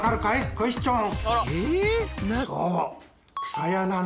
クエスチョン！